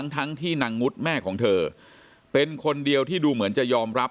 ทั้งที่นางงุดแม่ของเธอเป็นคนเดียวที่ดูเหมือนจะยอมรับ